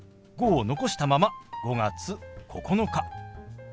「５」を残したまま「５月９日」。